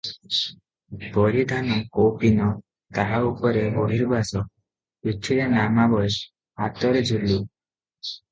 ପରିଧାନ କୌପୀନ; ତାହା ଉପରେ ବହିର୍ବାସ, ପିଠିରେ ନାମାବଳୀ, ହାତରେ ଝୁଲି ।